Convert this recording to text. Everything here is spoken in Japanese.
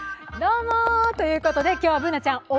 どうもということで、今日はＢｏｏｎａちゃん